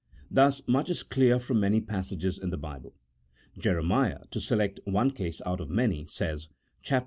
Thus much is clear from many passages in the Bible. Jeremiah (to select one case out of many) says (chap.